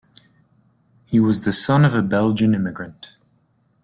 He was the son of a Belgian immigrant.